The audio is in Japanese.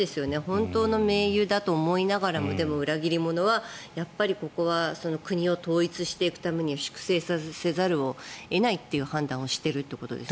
本当の盟友だと思いながらもでも裏切り者はここは国を統一していくために粛清せざるを得ないという判断をしているということですよね。